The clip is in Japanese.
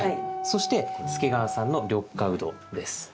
そして助川さんの緑化ウドです。